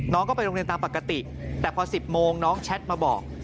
น้องก็ไปโรงเรียนตามปกติแต่พอ๑๐โมงน้องแชทมาบอก